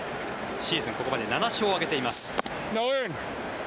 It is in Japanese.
シーズンここまで７勝を挙げています。